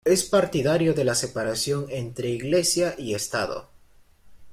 Es partidario de la separación entre Iglesia y Estado.